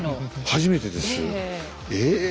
初めてです。え。